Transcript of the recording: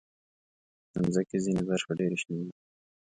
د مځکې ځینې برخې ډېر شنې دي.